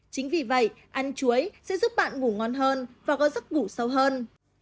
chính vì vậy ăn chuối sẽ giúp bạn ngủ ngon hơn và có giấc ngủ sâu hơn